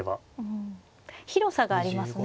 広さがありますね